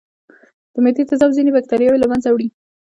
د معدې تیزاب ځینې بکتریاوې له منځه وړي.